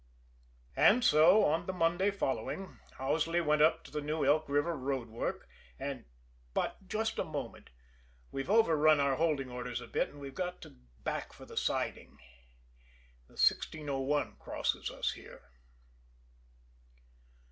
And so, on the Monday following, Owsley went up to the new Elk River road work, and But just a moment, we've over run our holding orders a bit, and we've got to back for the siding. The 1601 crosses us here.